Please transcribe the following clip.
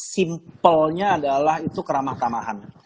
simpelnya adalah itu keramah tamahan